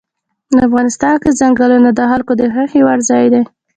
افغانستان کې ځنګلونه د خلکو د خوښې وړ ځای دی.